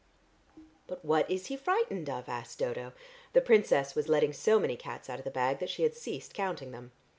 "But what is he frightened of?" asked Dodo. The Princess was letting so many cats out of the bag that she had ceased counting them.